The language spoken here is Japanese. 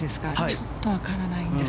ちょっと分からないです。